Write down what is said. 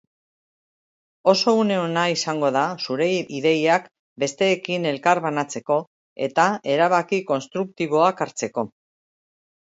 Oso une ona izango da zure ideiak besteekin elkarbanatzeko eta erabaki konstruktiboak hartzeko.